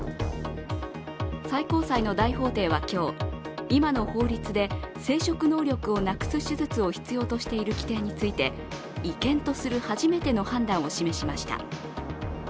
最高裁の大法廷は今日、今の法律で生殖能力をなくす手術を必要としている規定について違憲とする初めての判断を示しました。